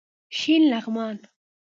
شین لغمان